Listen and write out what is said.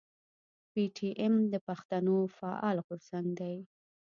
پي ټي ايم د پښتنو فعال غورځنګ دی.